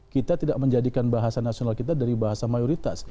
kita tidak menjadikan bahasa nasional kita dari bahasa mayoritas